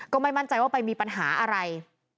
ก็ไม่มั่นใจว่าไปมีปัญหาอะไร